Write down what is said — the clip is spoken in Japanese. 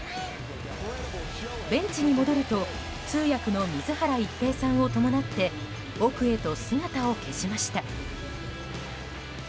ベンチに戻ると通訳の水原一平さんを伴って奥へと姿を消しました。